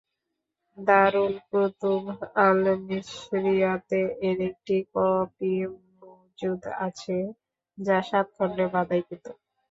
দারুল কুতুব আল-মিসরিয়াতে এর একটি কপি মওজুদ আছে যা সাত খণ্ডে বাঁধাইকৃত।